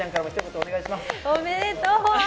おめでとう！